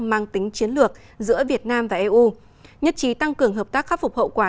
mang tính chiến lược giữa việt nam và eu nhất trí tăng cường hợp tác khắc phục hậu quả